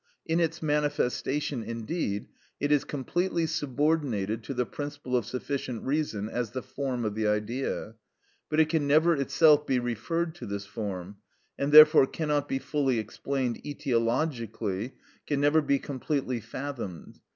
In its manifestation, indeed, it is completely subordinated to the principle of sufficient reason as the form of the idea, but it can never itself be referred to this form, and therefore cannot be fully explained etiologically, can never be completely fathomed.